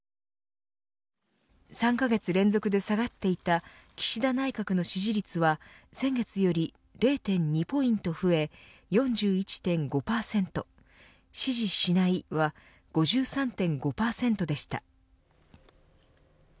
３カ月連続で下がっていた岸田内閣の支持率は先月より０．２ポイント増え４１．５％支持しないは５３．５％でした。